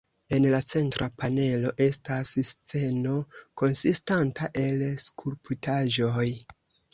En la centra panelo estas sceno konsistanta el skulptaĵoj.